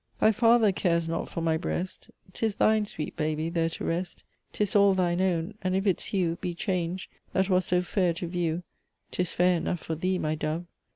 "Thy father cares not for my breast, 'Tis thine, sweet baby, there to rest; 'Tis all thine own! and if its hue Be changed, that was so fair to view, 'Tis fair enough for thee, my dove!